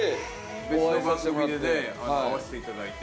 別の番組でね会わせていただいて。